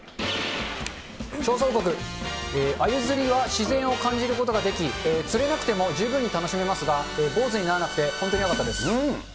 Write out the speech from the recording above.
調査報告、あゆ釣りは自然を感じることができ、釣れなくても十分に楽しめますが、ボウズにならなくて、本当によかったです。